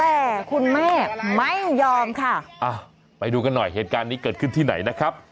แต่คุณแม่ไม่ยอมค่ะไปดูกันหน่อยเหตุการณ์นี้เกิดขึ้นที่ไหนนะครับ